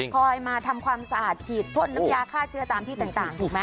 คอยมาทำความสะอาดฉีดพ่นน้ำยาฆ่าเชื้อตามที่ต่างถูกไหม